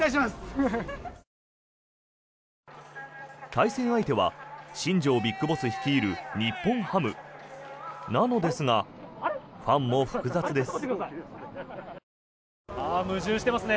対戦相手は新庄ＢＩＧＢＯＳＳ率いる日本ハム。なのですが、ファンも複雑です。